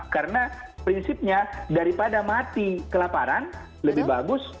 karena prinsipnya daripada mati kelaparan lebih bagus